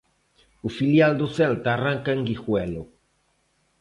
O filial do Celta arranca en Guijuelo.